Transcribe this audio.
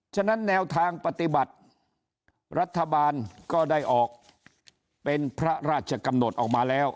ฉะนั้นแนวทางปฏิบัติรัฐบาลก็ได้ออกเป็นพระราชกำหนดออกมาแล้ว